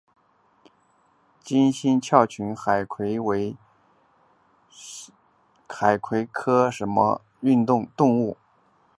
金星鞘群海葵为鞘群海葵科鞘群海葵属的动物。